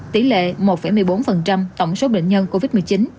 tỷ lệ một một mươi bốn tổng số bệnh nhân covid một mươi chín